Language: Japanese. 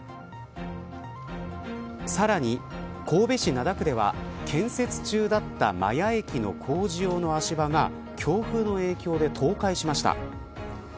さらに、神戸市灘区では建設中だった摩耶駅の工事用の足場が強風の影響で倒壊しました。